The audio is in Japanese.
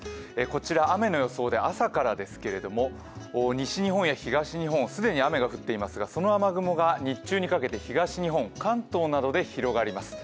こちら、雨の予想で朝からですけれども西日本や東日本、既に雨が降っていますけどもその雨雲が日中にかけて東日本、関東などで広がります。